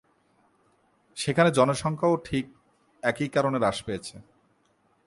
সেখানে জনসংখ্যা-ও ঠিক একই কারণে হ্রাস পেয়েছে।